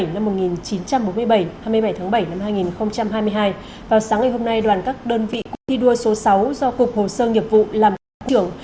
năm một nghìn chín trăm bốn mươi bảy hai mươi bảy tháng bảy năm hai nghìn hai mươi hai vào sáng ngày hôm nay đoàn các đơn vị thi đua số sáu do cục hồ sơ nghiệp vụ làm các trưởng